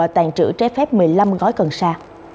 trái phép một mươi năm gói cần xa